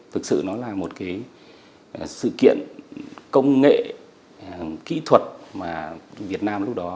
thực sự nó là một sự kiện công nghệ kỹ thuật mà việt nam lúc đó